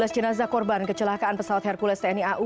dua belas jenazah korban kecelakaan pesawat hercules tni au